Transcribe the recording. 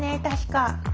確か。